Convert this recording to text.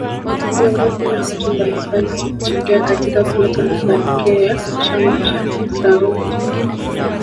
Viongozi na watu mbalimbali wamechangia katika kuleta mafanikio ya Chama cha Skauti